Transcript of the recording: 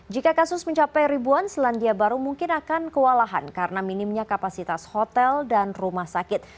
jika kasus mencapai ribuan selandia baru mungkin akan kewalahan karena minimnya kapasitas hotel dan rumah sakit